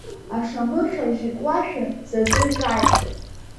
Ашамыхьажь икуашәа, дзазо иҿааихеит.